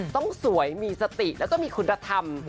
ต้องสวยมีสติแล้วก็มีคุณธรรม